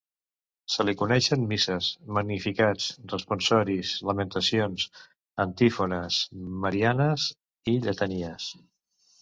Se li coneixen misses, magníficats, responsoris, lamentacions, antífones marianes i lletanies.